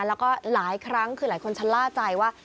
แล้วก็หลายครั้งคือหลายคนชะล่าใจว่า